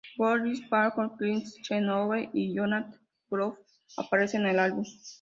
Gwyneth Paltrow, Kristin Chenoweth, y Jonathan Groff aparecen en el álbum.